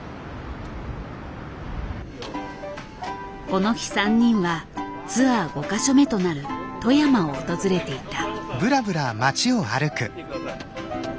この日３人はツアー５か所目となる富山を訪れていた。